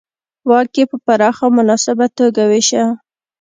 واک یې په پراخه او مناسبه توګه وېشه